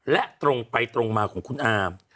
และตรงไปตรงมาของคุณอาม